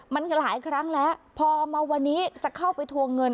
มันหลายครั้งแล้วพอมาวันนี้จะเข้าไปทวงเงิน